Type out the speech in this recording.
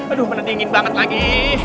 aduh bener dingin banget lagi